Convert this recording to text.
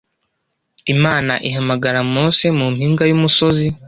Imana ihamagara Mose mu mpinga y’umusozi